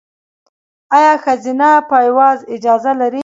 ایا ښځینه پایواز اجازه لري؟